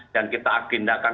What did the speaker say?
dan kita agendakan